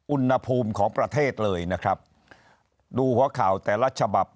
อุณหภูมิของประเทศเลยนะครับดูหัวข่าวแต่ละฉบับ